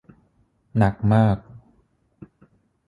หนักมาก